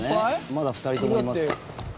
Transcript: まだ２人ともいます」